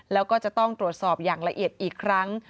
แล้วก็จะต้องตรวจสอบอย่างละเอียดอีกครั้ง